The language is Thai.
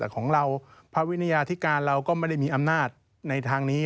แต่ของเราพระวินิยาธิการเราก็ไม่ได้มีอำนาจในทางนี้